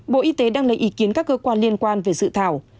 bộ y tế đang lấy ý kiến các cơ quan liên quan về dự thảo